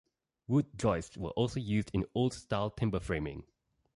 Wood joists were also used in old-style timber framing.